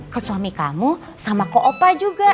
ke suami kamu sama ke opa juga